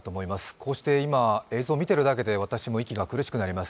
こうして今、映像を見ているだけで私も息が苦しくなります。